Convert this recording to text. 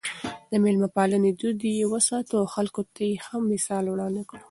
د مېلمه پالنې دود يې وساته او خلکو ته يې ښه مثال وړاندې کړ.